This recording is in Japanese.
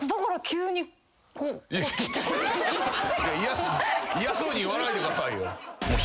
嫌そうに言わないでくださいよ。